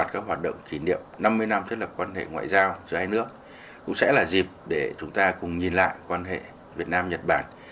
cũng sẽ là dịp để chúng ta cùng nhìn lại quan hệ việt nam nhật bản